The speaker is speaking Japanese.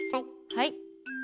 はい。